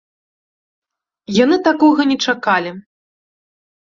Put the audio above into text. Яны такога не чакалі.